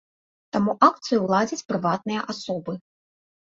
Таму акцыю ладзяць прыватныя асобы.